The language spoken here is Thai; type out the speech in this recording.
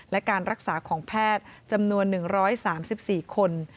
และการรักษาของแพทย์จำนวน๑๓๔คน